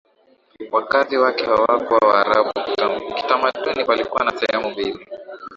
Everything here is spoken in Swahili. wakazi wake hawakuwa Waarabu Kiutamaduni palikuwa na sehemu mbili